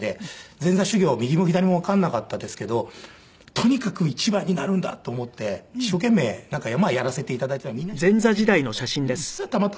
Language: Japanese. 前座修業は右も左もわかんなかったですけどとにかく一番になるんだと思って一生懸命なんかやらせて頂いていたみんな一生懸命やっているんですけど。